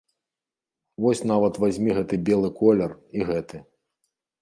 Вось нават вазьмі гэты белы колер і гэты.